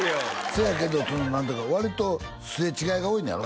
せやけど何ていうか割とすれ違いが多いねやろ？